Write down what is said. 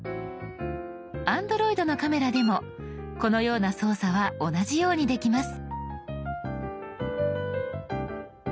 Ａｎｄｒｏｉｄのカメラでもこのような操作は同じようにできます。